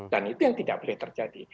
dan itu yang tidak boleh terjadi